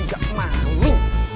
ini gak malu